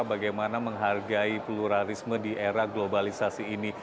bagaimana menghargai pluralisme di era globalisasi ini